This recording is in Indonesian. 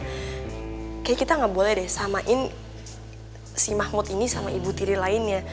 kayaknya kita nggak boleh deh samain si mahmud ini sama ibu tiri lainnya